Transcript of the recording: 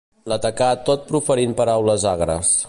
L'atacà tot proferint paraules agres.